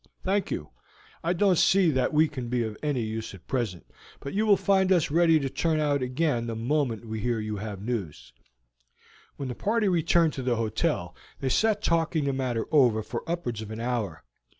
"Thank you; I don't see that we can be of any use at present, but you will find us ready to turn out again the moment we hear that you have news." When the party returned to the hotel they sat talking the matter over for upwards of an hour.